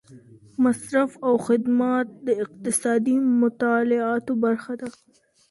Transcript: مصرف او خدمات د اقتصادي مطالعاتو برخه ده.